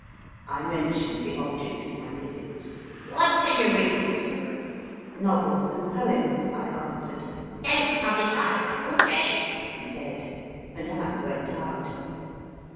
I mentioned the object of my visit. What can you read ? Novels and poems, I answered. Don t publish either good day, he said, and I went out.